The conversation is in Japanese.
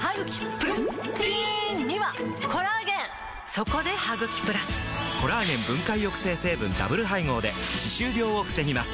そこで「ハグキプラス」！コラーゲン分解抑制成分ダブル配合で歯周病を防ぎます